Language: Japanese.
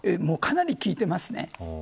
もう、かなり効いています。